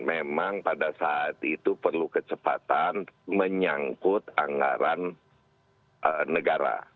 memang pada saat itu perlu kecepatan menyangkut anggaran negara